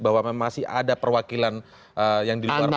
bahwa memang masih ada perwakilan yang di luar partai